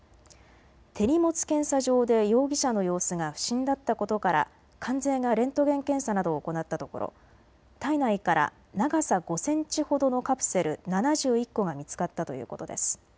手荷物検査場で容疑者の様子が不審だったことから関税がレントゲン検査などを行ったところ体内から長さ５センチほどのカプセル７１個が見つかったということです。